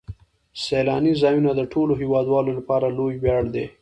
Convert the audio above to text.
سیلاني ځایونه د ټولو هیوادوالو لپاره لوی ویاړ دی.